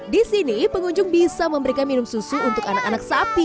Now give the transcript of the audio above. di sini pengunjung bisa memberikan minum susu untuk anak anak sapi